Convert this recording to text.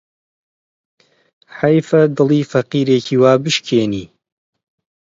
حەیفە دڵی فەقیرێکی وا بشکێنی